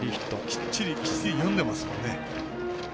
きっちり読んでますよね。